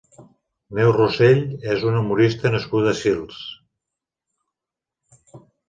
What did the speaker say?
Neus Rossell és una humorista nascuda a Sils.